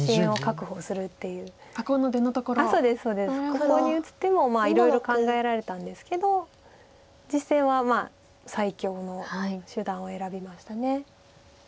ここに打つ手もいろいろ考えられたんですけど実戦は最強の手段を選びました。